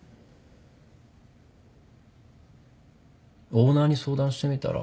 オーナーに相談してみたら？